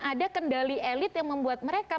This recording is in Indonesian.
ada kendali elit yang membuat mereka